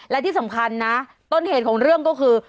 และที่สำคัญนะต้นเหตุของเรื่องก็คือ